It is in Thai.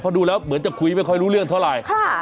เพราะดูแล้วเหมือนจะคุยไม่ค่อยรู้เรื่องเท่าไหร่